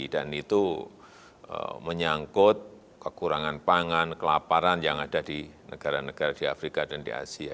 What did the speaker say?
dan itu menyangkut kekurangan pangan kelaparan yang ada di negara negara di afrika dan di asia